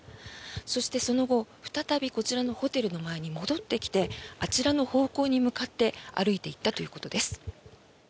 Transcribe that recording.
そして、その後再びこのホテルの前へ戻ってきてあちらの方向に向かって歩いて行ったということです。